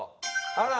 あら！